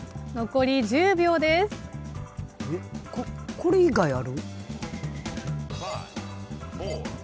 これ以外ある？